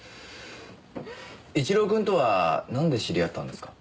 一郎くんとはなんで知り合ったんですか？